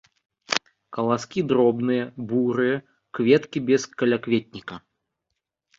Каласкі дробныя, бурыя, кветкі без калякветніка.